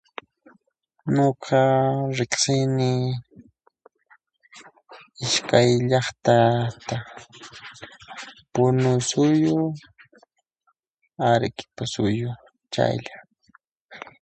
Nuqa riqsini iskay llaqtata, punusuyu , Ariquipa suyu, chaylla.